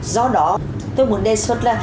do đó tôi muốn đề xuất là